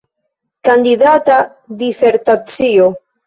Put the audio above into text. Kandidata disertacio.